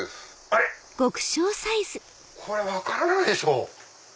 あれ⁉これ分からないでしょ。